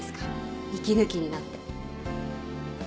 息抜きになって。